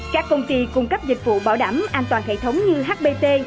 các công ty cung cấp dịch vụ bảo đảm an toàn hệ thống như hbt